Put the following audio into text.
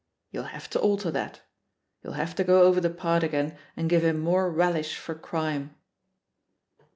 You'll have to alter that; you'll have to go over the part agam and give him more relish for crime."